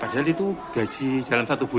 padahal itu gaji dalam satu bulan